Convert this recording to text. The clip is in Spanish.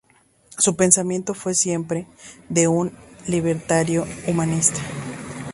Su pensamiento fue siempre de un Libertario Humanista.